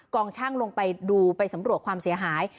องช่างลงไปดูไปสำรวจความเสียหาย